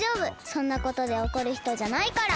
そんなことでおこるひとじゃないから！